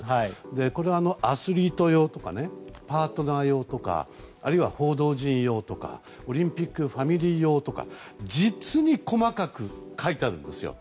これはアスリート用とかパートナー用とかあるいは報道陣用とかオリンピックファミリー用とか実に細かく書いてあるんです。